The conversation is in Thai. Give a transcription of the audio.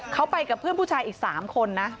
เขาไปกับเพื่อนผู้ชายอีก๓คนนะ